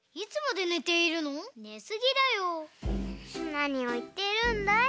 なにをいっているんだい。